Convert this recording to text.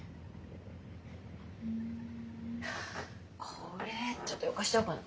これちょっとどかしちゃおうかな。